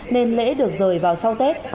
nên lễ được rời vào sau tết